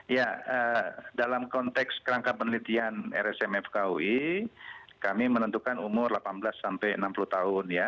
ya dalam konteks kerangka penelitian rsmfkui kami menentukan umur delapan belas enam puluh tahun